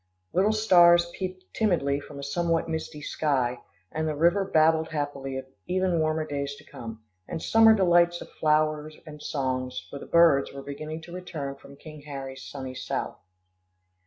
Little stars peeped timidly from a somewhat misty sky, and the river babbled happily of even warmer days to come, and summer delights of flower and song, for the birds were beginning to return from King Harry's sunny South.